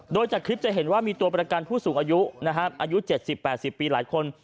โดยจากคลิปจะเห็นว่ามีตัวประกันผู้สูงอายุนะครับอายุ๗๐๘๐ปีหลายคน